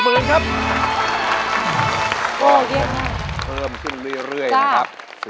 เพิ่มขึ้นเรื่อยนะครับ